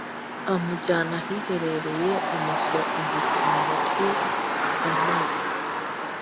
amujyana ahiherereye amushyira intoki mu matwi Amaze